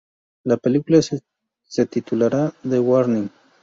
La película se titulará "The Warning".